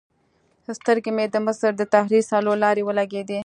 سترګې مې د مصر د تحریر څلور لارې ولګېدې.